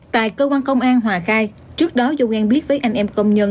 tại cơ quan công an hòa khai trước đó dù ghen biết với anh em công nhân